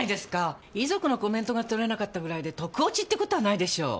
遺族のコメントが取れなかったぐらいで特オチって事はないでしょう。